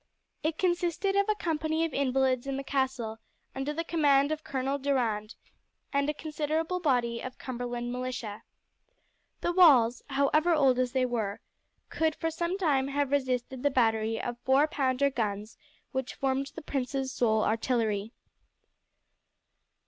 It consisted of a company of invalids in the castle, under the command of Colonel Durand, and a considerable body of Cumberland Militia. The walls, however, old as they were, could for some time have resisted the battery of four pounder guns which formed the prince's sole artillery.